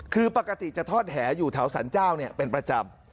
คือปกติจะทอดแหอยู่แถวสรรเจ้าเป็นประจำ